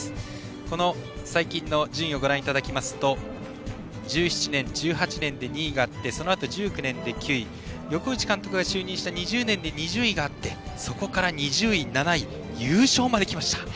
この最近の順位をご覧いただきますと１７年、１８年で２位１９年で９位横打監督が就任した２０年に２０位があってそこから２０位、７位優勝まで来ました。